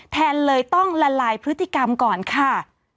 แทนเลยต้องละลายพฤติกรรมก่อนค่ะ